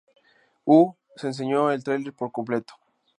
U", se enseñó el tráiler por completo.